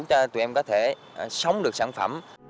cho tụi em có thể sống được sản phẩm